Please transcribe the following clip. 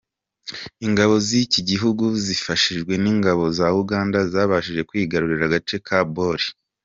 Ingabo z’iki gihugu zifashijwe n’ingabo za Uganda zabashije kwigarurira agace ka Bor.